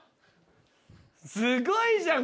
⁉すごいじゃん！